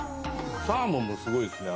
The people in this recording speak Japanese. サーモンもすごいっすね脂。